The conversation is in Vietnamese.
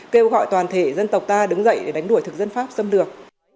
kêu gọi toàn thể dân tộc ta đứng dậy để đánh đuổi thực dân pháp xâm lược